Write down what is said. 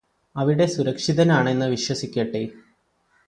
അവിടെ സുരക്ഷിതനാണെന്ന് വിശ്വസിക്കട്ടെ